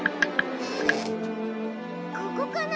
ここかな？